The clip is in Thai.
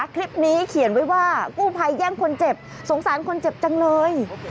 คลิปนี้เขียนไว้ว่ากู้ภัยแย่งคนเจ็บสงสารคนเจ็บจังเลย